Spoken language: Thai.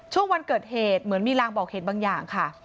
ช่วงวันเกิดเหตุเหมือนมีรางบอกเหตุบางอย่างค่ะ